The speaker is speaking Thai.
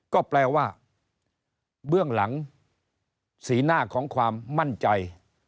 ก็แปลว่าเบื้องหลังสีหน้าของความมั่นใจ